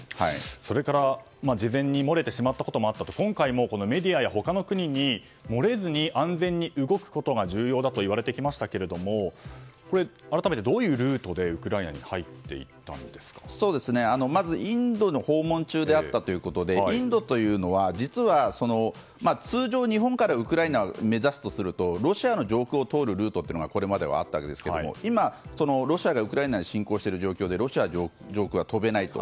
それから事前に漏れてしまったこともあったということですが今回もメディアや他の国に漏れずに、安全に動くことが重要だといわれてきましたが改めてどういうルートでウクライナにまずインドの訪問中であったということでインドというのは、実は通常、日本からウクライナを目指すとするとロシアの上空を通るルートがこれまではあったわけですがロシアがウクライナに侵攻している状況でロシア上空は飛べないと。